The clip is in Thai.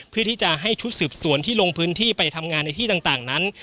เพื่อที่จะให้ชุดสืบสวนที่ลงพื้นที่ไปทำงานในที่ต่างนั้น